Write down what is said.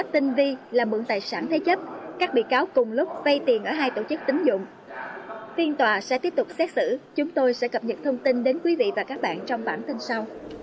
tiếp tục xét xử chúng tôi sẽ cập nhật thông tin đến quý vị và các bạn trong bản tin sau